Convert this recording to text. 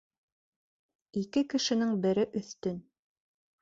Ике кешенең бере өҫтөн